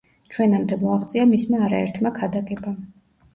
ჩვენამდე მოაღწია მისმა არაერთმა ქადაგებამ.